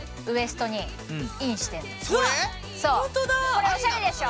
これおしゃれでしょ。